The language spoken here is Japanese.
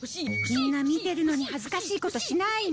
みんな見てるのに恥ずかしいことしないの。